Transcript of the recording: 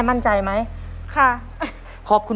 สวัสดีครับ